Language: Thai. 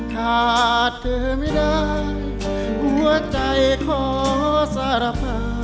ขาดเธอไม่ได้หัวใจขอสารภาพ